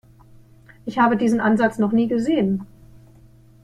Ich habe diesen Ansatz noch nie gesehen.